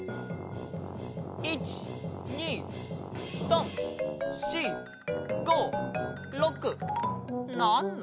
１２３４５６７？